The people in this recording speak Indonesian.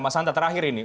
mas santa terakhir ini